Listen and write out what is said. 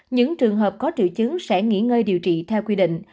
những trường hợp có triệu chứng sẽ nghỉ ngơi điều trị theo quy định